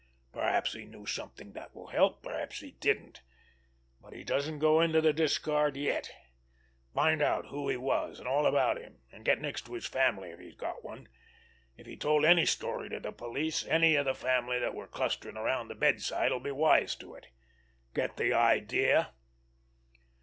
Perhaps he knew something that will help, perhaps he didn't; but he doesn't go into the discard yet. Find out who he was and all about him, and get next to his family if he's got one. If he told any story to the police, any of the family that were clustering around the bedside will be wise to it. Get the idea?"